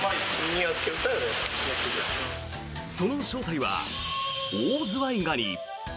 その正体はオオズワイガニ。